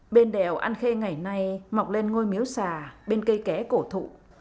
bên đèo an khê ngày nay mọc lên ngôi miếu xà bên cây ké cổ thụ